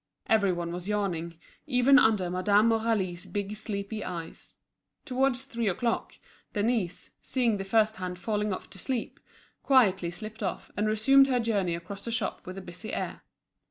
Every one was yawning even under Madame Aurélie's big sleepy eyes. Towards three o'clock, Denise, seeing the first hand falling off to sleep, quietly slipped off, and resumed her journey across the shop, with a busy air.